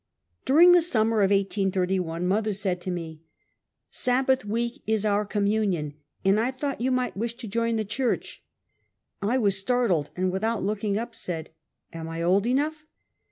During the spring of 1831, mother said to me :" Sabbath week is our communion, and I thought you might wish to join the church." I was startled and without looking up, said : "Am I old enough